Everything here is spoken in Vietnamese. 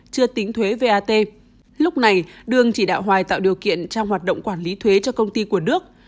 chưa tính thuế vat lúc này đương chỉ đạo hoài tạo điều kiện trong hoạt động quản lý thuế cho công ty của đức